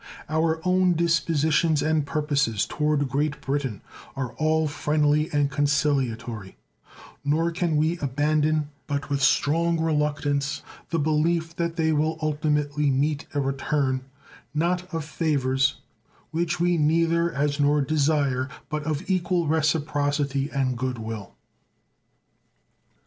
Our own dispositions and purposes toward Great Britain are all friendly and conciliatory; nor can we abandon but with strong reluctance the belief that they will ultimately meet a return, not of favors, which we neither as nor desire, but of equal reciprocity and good will.